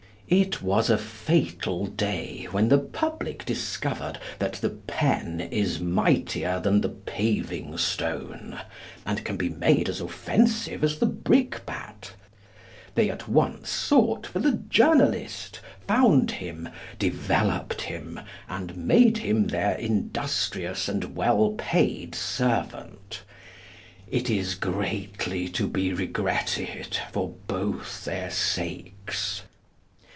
It was a fatal day when the public discovered that the pen is mightier than the paving stone, and can be made as offensive as the brickbat. They at once sought for the journalist, found him, developed him, and made him their industrious and well paid servant. It is greatly to be regretted, for both their sakes.